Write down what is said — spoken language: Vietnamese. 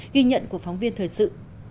ghi nhận của phóng viên thời sự